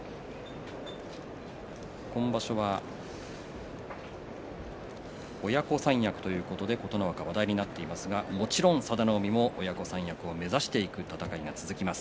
今場所は親子三役ということで琴ノ若が話題になっていますがもちろん佐田の海も親子三役を目指していく戦いが続きます。